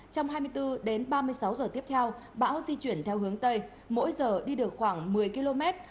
trong hai mươi bốn đến ba mươi sáu giờ tiếp theo bão di chuyển theo hướng tây mỗi giờ đi được khoảng một mươi km